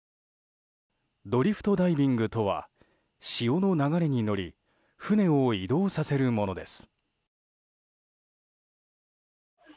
ドリフトダイビングとは潮の流れに乗り船を移動させるものです。